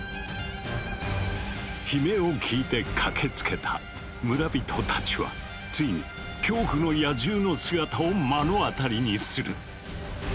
悲鳴を聞いて駆けつけた村人たちはついに恐怖の野獣の姿を目の当たりにする。